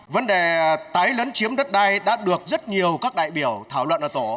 vấn đề tái lấn chiếm đất đai đã được rất nhiều các đại biểu thảo luận ở tổ